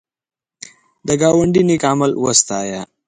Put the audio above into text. د ګاونډي نېک عمل وستایه